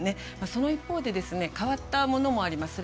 その一方で変わったものもあります。